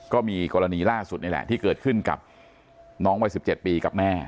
ก็มีกรณีล่าสุดนี่แหละที่เกิดขึ้นกับน้องวัย๑๗ปีกับแม่